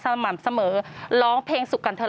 สม่ำเสมอร้องเพลงสุขกันเถอะ